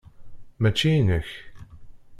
Mačči inek.